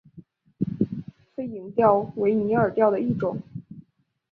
飞蝇钓为拟饵钓的一种。